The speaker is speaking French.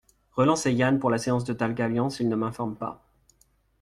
Relancer Yann pour la séance de Dalgalian s’il ne m’informe pas.